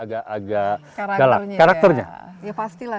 galak karakternya ya pastilah